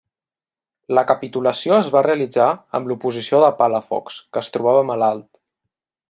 La capitulació es va realitzar amb l'oposició de Palafox, que es trobava malalt.